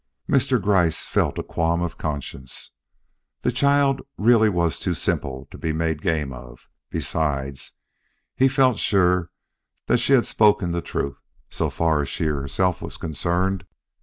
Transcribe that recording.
Mr. Gryce felt a qualm of conscience. The child really was too simple to be made game of. Besides, he felt sure that she had spoken the truth, so far as she herself was concerned.